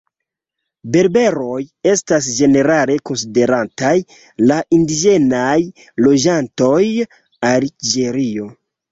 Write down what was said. Berberoj estas ĝenerale konsiderataj la indiĝenaj loĝantoj Alĝerio.